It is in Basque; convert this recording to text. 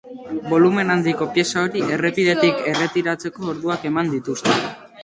Bolumen handiko pieza hori errepidetik erretiratzeko orduak eman dituzte.